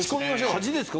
恥ですか？